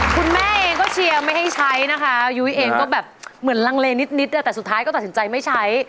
คุณแม่เองก็เชียร์ไม่ให้ใช้นะคะยุ้ยเองก็แบบเหมือนลังเลนิดแต่สุดท้ายก็ตัดสินใจไม่ใช้